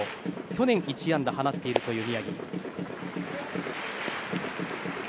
去年１安打放っているという宮城。